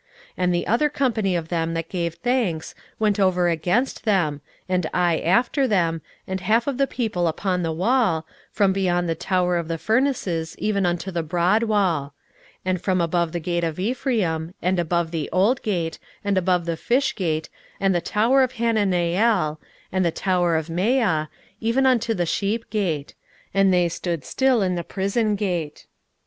16:012:038 And the other company of them that gave thanks went over against them, and I after them, and the half of the people upon the wall, from beyond the tower of the furnaces even unto the broad wall; 16:012:039 And from above the gate of Ephraim, and above the old gate, and above the fish gate, and the tower of Hananeel, and the tower of Meah, even unto the sheep gate: and they stood still in the prison gate.